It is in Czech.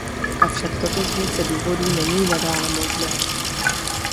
Avšak toto z více důvodů není nadále možné.